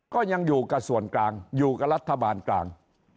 ก็ยังอยู่กับส่วนกลางอยู่กับรัฐบาลกลาง